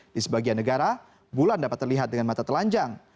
di sebagian negara bulan dapat terlihat dengan mata telanjang